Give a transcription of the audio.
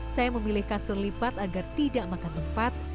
saya memilih kasur lipat agar tidak makan tempat